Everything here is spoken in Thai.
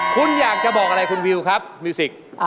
คุณอยากจะบอกอะไรคุณวิวครับมิวสิก